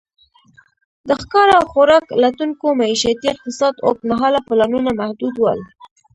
د ښکار او خوراک لټونکو معیشتي اقتصاد اوږد مهاله پلانونه محدود ول.